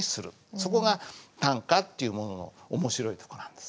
そこが短歌っていうものの面白いとこなんです。